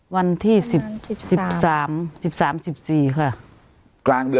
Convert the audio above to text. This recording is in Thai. วันที่๑๓๑๓๑๔ค่ะ